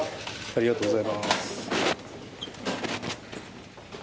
ありがとうございます。